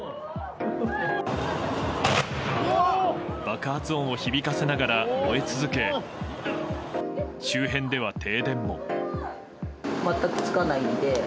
爆発音を響かせながら燃え続け周辺では停電も。